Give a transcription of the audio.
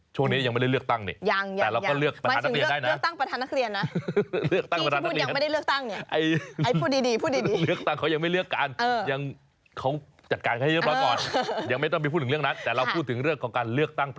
ช่วงนี้ยังไม่ได้เลือกตั้งเนี่ย